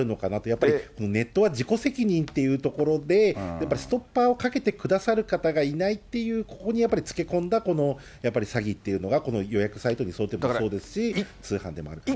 やっぱりネットは自己責任っていうところで、やっぱりストッパーをかけてくださる方がいないっていう、ここにやっぱりつけ込んだこのやっぱり詐欺っていうのが、この予約サイトもそうですし、通販でもあるかなと。